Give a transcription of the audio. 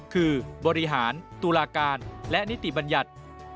คือบริหารตุลาการและนิติบัญญัติ